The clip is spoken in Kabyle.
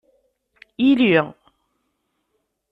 Ili.